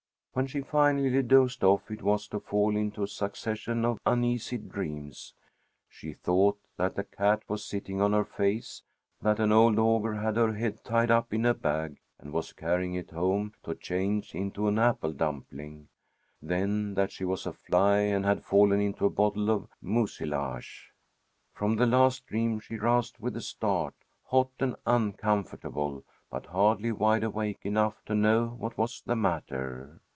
When she finally dozed off it was to fall into a succession of uneasy dreams. She thought that the cat was sitting on her face; that an old ogre had her head tied up in a bag and was carrying it home to change into an apple dumpling, then that she was a fly and had fallen into a bottle of mucilage. From the last dream she roused with a start, hot and uncomfortable, but hardly wide awake enough to know what was the matter.